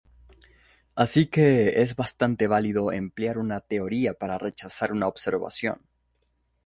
Así que es bastante válido emplear una teoría para rechazar una observación.